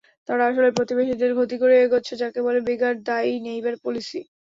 তারা আসলে প্রতিবেশীদের ক্ষতি করে এগোচ্ছে, যাকে বলে বেগার দাই নেইবার পলিসি।